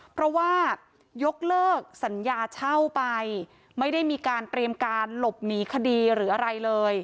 เพราะว่ายกเลิกสัญญาเช่าไปไม่ได้มีการเตรียมการหลบหนีคดีหรืออะไรเลย